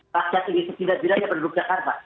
rakyat ini setidak tidaknya penduduk jakarta